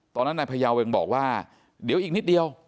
ตอนนั้นนายพญาเวงบอกว่าเดี๋ยวอีกนิดเดียว